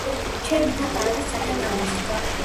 ჩემი თათა არის ძალიან ლამაზი!